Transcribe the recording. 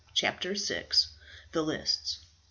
CHAPTER VI. THE LISTS.